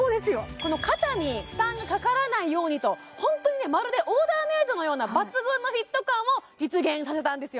この肩に負担がかからないようにと本当にねまるでオーダーメイドのような抜群のフィット感を実現させたんですよ